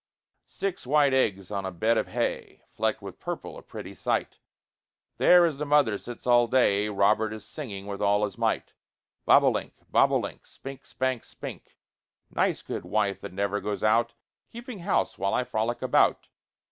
Six white eggs on a bed of hay, Flecked with purple, a pretty sight! There as the mother sits all day, Robert is singing with all his might: Bob o' link, bob o' link, Spink, spank, spink; Nice good wife, that never goes out, Keeping house while I frolic about.